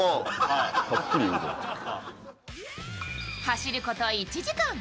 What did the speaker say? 走ること１時間。